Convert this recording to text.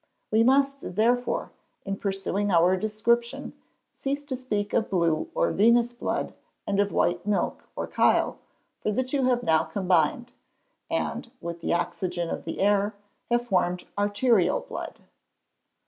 We must therefore, in pursuing our description, cease to speak of blue, or venous blood, and of white milk, or chyle, for the two have now combined, and, with the oxygen of the air, have formed arterial blood.